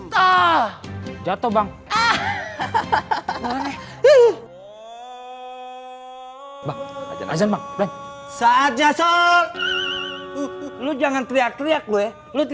kan biasa begitu